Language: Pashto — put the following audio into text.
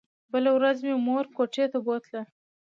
بله ورځ مې مور کوټې ته بوتله.